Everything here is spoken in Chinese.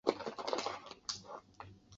祖父张贵谅。